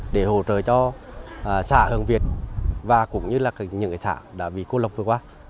để hỗ trợ cho xã hương việt và cũng như là những xã đã bị cô lập vừa qua